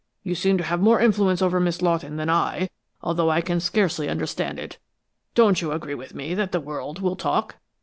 You seem to have more influence over Miss Lawton than I, although I can scarcely understand it. Don't you agree with me that the world will talk?"